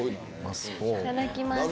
いただきます。